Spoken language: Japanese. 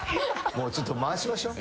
もうちょっと回しましょ。